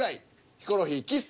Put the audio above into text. ヒコロヒー「キス」